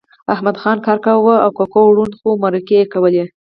احمدخان کار کاوه او ککو ړوند و خو مرکې یې کولې